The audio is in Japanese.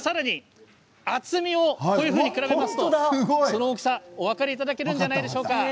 厚みも比べますとその大きさお分かりいただけるのではないでしょうか。